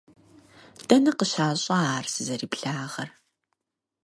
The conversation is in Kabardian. Дэнэ къыщащӀа ар сызэриблагъэр?